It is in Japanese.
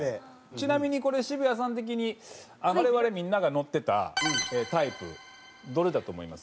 ちなみにこれ渋谷さん的に我々みんなが乗ってたタイプどれだと思います？